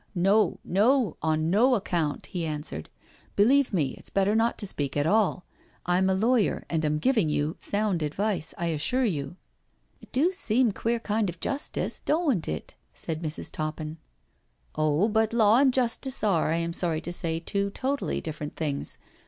" No, no, on no account," he answered. " Believe me, it's better not to speak at all. I'm a lawyer, and am giving you sound advice, I assure you," 82 NO SURRENDER '* It do seem queer kind of justice, doan*t it?" said Mrs. Toppin. " Oh, but law and justice are, I am sorry to say, two totally different things.